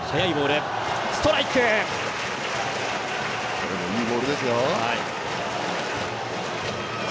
これもいいボールですよ。